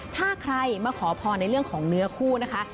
ถ้าใครมาขอพรในเรื่องของเนื้อคู่นะคะ